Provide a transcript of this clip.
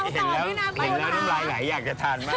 เห็นแล้วร้ายอยากจะทานมาก